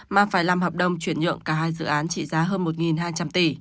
mà phải làm hợp đồng chuyển nhượng cả hai dự án trị giá hơn một hai trăm linh tỷ